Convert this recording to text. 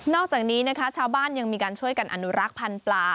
อกจากนี้นะคะชาวบ้านยังมีการช่วยกันอนุรักษ์พันธุ์ปลา